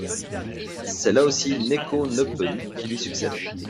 C'est là aussi Néko Hnepeune qui lui succède.